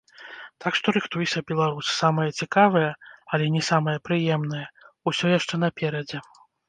Так што рыхтуйся, беларус, самае цікавае, але не самае прыемнае, усё яшчэ наперадзе.